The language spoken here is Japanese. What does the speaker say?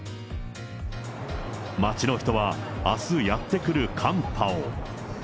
街の人はあすやって来る寒波を。